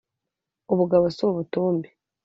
Ubugabo si ubutumbi